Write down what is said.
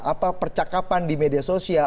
apa percakapan di media sosial